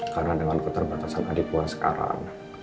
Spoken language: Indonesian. karena dengan keterbatasan adik gue sekarang